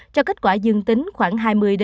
cho kết quả dương tính khoảng hai mươi hai mươi năm